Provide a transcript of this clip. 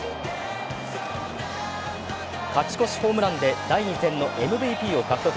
勝ち越しホームランで第２戦のＭＶＰを獲得。